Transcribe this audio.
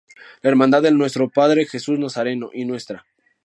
La hermandad del Nuestro Padre Jesús Nazareno y Ntra.